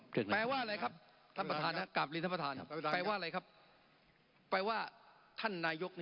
แปลว่าอะไรครับท่านประธานครับกราบเรียนท่านประธาน